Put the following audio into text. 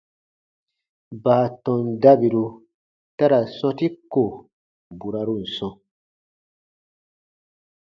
Baatɔn dabiru ta ra sɔ̃ti ko burarun sɔ̃,